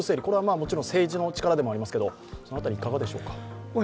これはもちろん政治の力でもありますけど、いかがでしょうか？